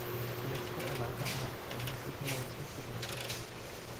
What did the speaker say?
Zuletzt war er Leiter einer Abteilung für Terrorismusbekämpfung.